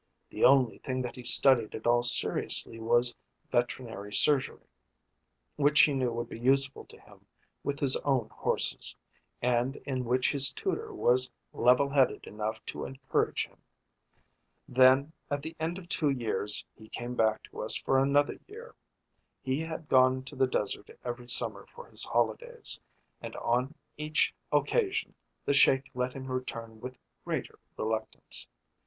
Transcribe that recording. The only thing that he studied at all seriously was veterinary surgery, which he knew would be useful to him with his own horses, and in which his tutor was level headed enough to encourage him. Then at the end of two years he came back to us for another year. He had gone to the desert every summer for his holidays, and on each occasion the Sheik let him return with greater reluctance.